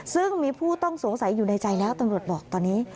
ซึ่งมีผู้ต้องสงสัยอยู่ในใจแล้วตำรวจบอกตอนนี้